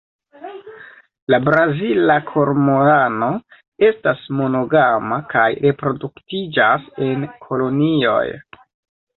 La Brazila kormorano estas monogama kaj reproduktiĝas en kolonioj.